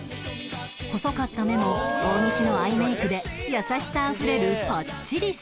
細かった目も大西のアイメイクで優しさあふれるパッチリした目元に